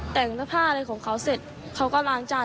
เด็กพ่าของเขาเข้าล้างจาน